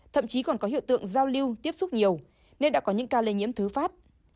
thậm chí còn có hiện tượng giao lưu tiếp xúc nhiều nên đã có những ca lây nhiễm thứ phát